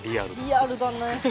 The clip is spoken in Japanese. リアルだね。